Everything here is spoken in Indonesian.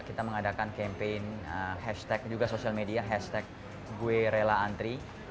kita mengadakan campaign hashtag juga sosial media hashtag gue rela antri